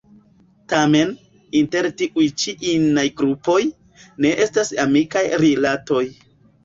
Tamen, inter tiuj ĉi inaj grupoj, ne estas amikaj rilatoj.